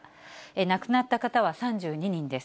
亡くなった方は３２人です。